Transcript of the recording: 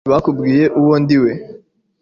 ntibakubwiye uwo ndiwe